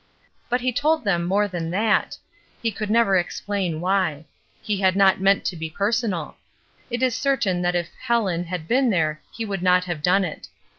But he told them more than that : he could never explain why; he had not meant to be personal. It is certain that if "Helen" had been there he would not have done it.